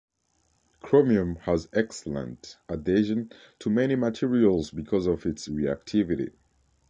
Chromium has excellent adhesion to many materials because of its reactivity.